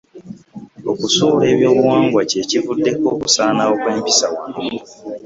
Okusuula ebyobuwangwa kye kivuddeko okusaanawo kw'empisa wano.